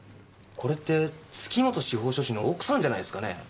これって月本司法書士の奥さんじゃないっすかねぇ？